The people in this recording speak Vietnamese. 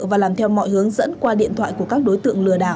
và làm theo mọi hướng dẫn qua điện thoại của các đối tượng lừa đảo